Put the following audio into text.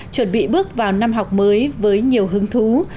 chuẩn bị bước vào năm học mới với nhiều hứng thú